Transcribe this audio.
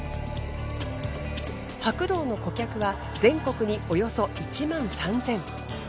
白銅の顧客は全国におよそ１万３千。